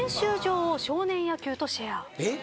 えっ？